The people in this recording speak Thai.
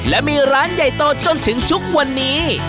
และมีร้านใหญ่โตจนถึงทุกวันนี้